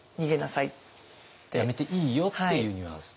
やめていいよっていうニュアンスとか。